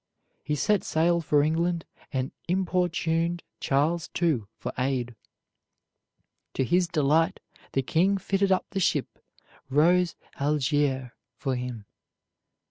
He set sail for England and importuned Charles II for aid. To his delight the king fitted up the ship Rose Algier for him.